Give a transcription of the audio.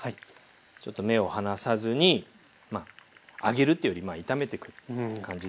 ちょっと目を離さずに揚げるっていうより炒めてく感じですね。